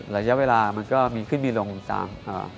ระยะเวลามันก็มีขึ้นมีลงตามอ่า